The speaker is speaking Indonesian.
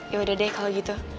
ya udah deh kalau gitu